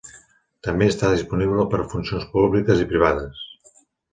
També està disponible per funcions públiques i privades.